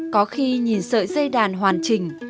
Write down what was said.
có khi nhìn sợi dây đàn hoàn chỉnh